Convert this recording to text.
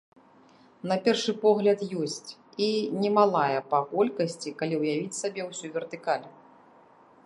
На першы погляд, ёсць, і немалая па колькасці, калі ўявіць сабе ўсю вертыкаль.